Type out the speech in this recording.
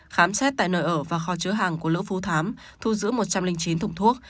khám xét tại nơi ở và kho chứa hàng của lữ phú thám thu giữ một trăm linh chín thùng thuốc